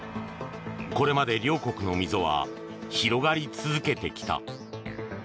これまで両国の溝は広がり続けてきた。